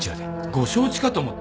ご承知かと思った。